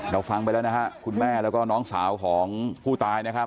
เราฟังไปแล้วนะฮะคุณแม่แล้วก็น้องสาวของผู้ตายนะครับ